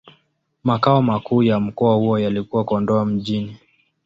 Makao makuu ya mkoa huo yalikuwa Kondoa Mjini.